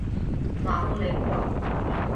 马夫雷库尔。